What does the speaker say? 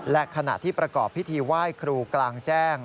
และขณะที่ประกอบพิธีไหว้ครูกลางแจ้ง